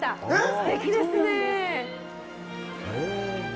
すてきですね。